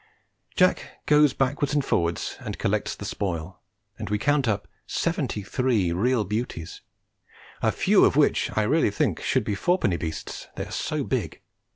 Jack goes backwards and forwards and collects the spoil, and we count up seventy three real beauties, a few of which I really think should be fourpenny beasts, they are so big.